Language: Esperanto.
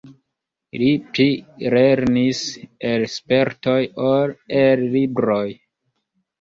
Li pli lernis el spertoj ol el libroj.